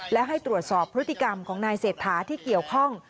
และให้ตรวจสอบพฤติกรรมของนายเศรษฐาที่เกี่ยวข้อง